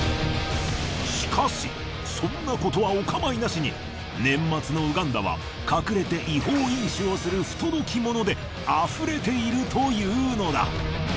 しかしそんなことはお構いなしに年末のウガンダは隠れて違法飲酒をする不届き者であふれているというのだ。